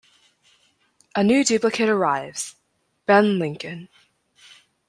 A new duplicate arrives, Ben Linc.